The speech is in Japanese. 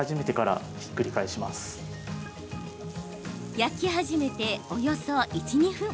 焼き始めて、およそ１、２分。